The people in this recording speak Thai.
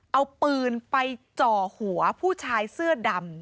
เอาปืนไปจ่อหัวผู้ชายเสื้อดำ